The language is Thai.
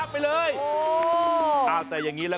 ไม่พี่เหเนียว